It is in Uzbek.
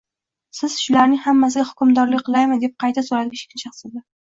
Siz shularning hammasiga hukmdorlik qilaymi? - deb qayta so‘radi Kichkina shahzoda.